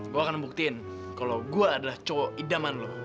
gue akan membuktiin kalau gue adalah cowok idaman lo